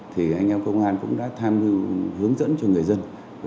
thì anh em công an cũng đã tham hướng dẫn cho người dân